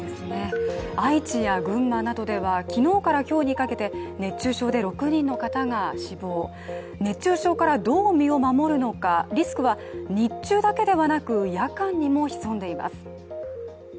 愛知や群馬などでは昨日から今日にかけて熱中症で６人の方が死亡、熱中症からどう身を守るのかリスクは日中だけではなく夜間にも潜んでいます。